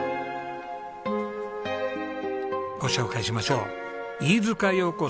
ご紹介しましょう。